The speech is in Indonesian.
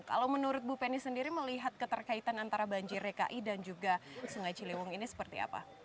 kalau menurut bu penny sendiri melihat keterkaitan antara banjir dki dan juga sungai ciliwung ini seperti apa